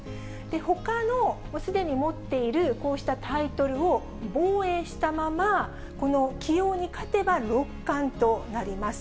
ほかのすでに持っているこうしたタイトルを防衛したまま、この棋王に勝てば六冠となります。